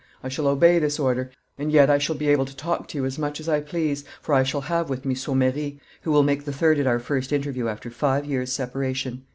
I shall obey this order, and yet I shall be able to talk to you as much as I please, for I shall have with me Saumery, who will make the third at our first interview after five years' separation."